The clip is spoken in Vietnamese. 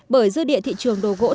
bởi dư địa thị trường đồ gỗ thế giới